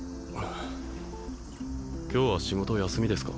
今日は仕事休みですか？